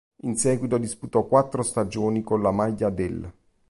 In seguito disputò quattro stagioni con la maglia dell'.